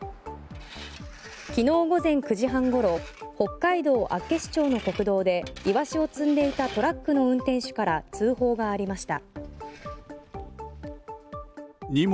昨日午前９時半ごろ北海道厚岸町の国道でイワシを積んでいたトラックの運転手から通報がありました。